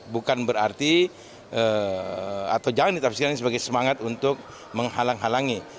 bukan berarti atau jangan ditafsirkan sebagai semangat untuk menghalang halangi